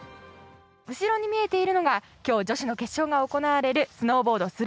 後ろに見えているのが今日、女子の決勝が行われるスノーボード